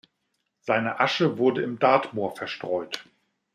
Seine Asche wurde im Dartmoor verstreut.